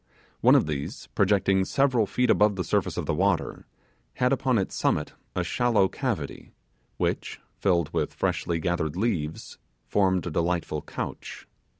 One of these, projecting several feet above the surface of the water, had upon its summit a shallow cavity, which, filled with freshly gathered leaves, formed a delightful couch.